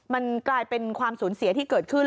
มันกลายเป็นความสูญเสียที่เกิดขึ้น